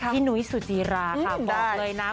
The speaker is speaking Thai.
หนุ้ยสุจิราค่ะบอกเลยนะ